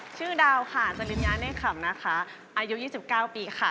ชื่อดาวค่ะจริญญาเนธขำนะคะอายุ๒๙ปีค่ะ